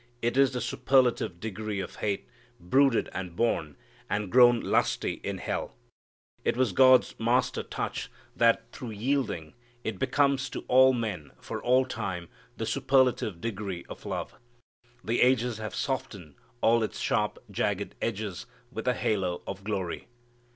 It is the superlative degree of hate, brooded and born, and grown lusty in hell. It was God's master touch that, through yielding, it becomes to all men for all time the superlative degree of love. The ages have softened all its sharp jagged edges with a halo of glory.